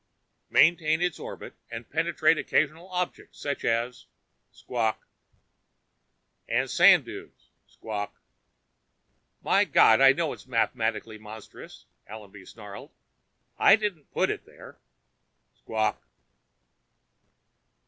_" maintain its orbit and penetrate occasional objects such as " Squawk. " and sand dunes " Squawk. "My God, I know it's a mathematical monstrosity," Allenby snarled. "I didn't put it there!" _Squawk.